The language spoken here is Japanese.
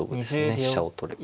飛車を取れば。